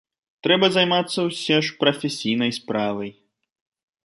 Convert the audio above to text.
Трэба займацца ўсе ж прафесійнай справай.